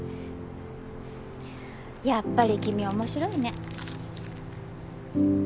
やっぱり君面白いね